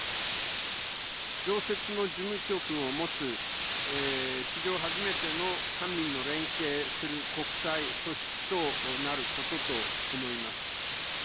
常設の事務局を持つ、史上初めての官民の連携する国際組織となることと思います。